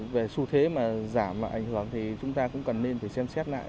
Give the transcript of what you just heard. về số thế mà giảm và ảnh hưởng thì chúng ta cũng cần nên xem xét lại